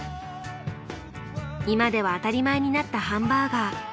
今では当たり前になったハンバーガー。